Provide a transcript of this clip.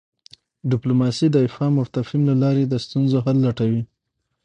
ډیپلوماسي د افهام او تفهیم له لاري د ستونزو حل لټوي.